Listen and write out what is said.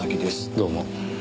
どうも。